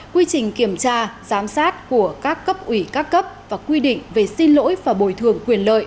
quy trình kiểm tra giám sát của các cấp ủy các cấp và quy định về xin lỗi và bồi thường quyền lợi